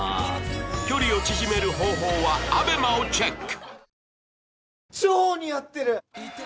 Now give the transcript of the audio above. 距離を縮める方法は ＡＢＥＭＡ をチェック